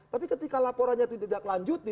tapi ketika laporannya tidak lanjut